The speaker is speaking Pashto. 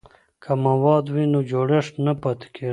که مواد وي نو جوړښت نه پاتیږي.